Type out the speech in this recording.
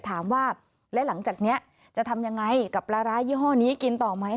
ถามว่าแล้วหลังจากนี้จะทำยังไงกับปลาร้ายี่ห้อนี้กินต่อไหม